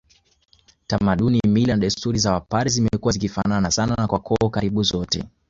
Tamaduni mila na desturi za wapare zimekuwa zikifanana sana kwa koo karibu zote